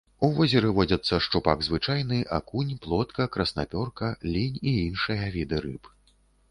У возеры водзяцца шчупак звычайны, акунь, плотка, краснапёрка, лінь і іншыя віды рыб.